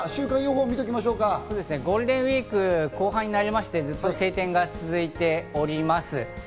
ゴールデンウイーク後半になってずっと晴天が続いております。